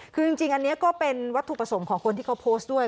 คือจริงอันนี้ก็เป็นวัตถุประสงค์ของคนที่เขาโพสต์ด้วย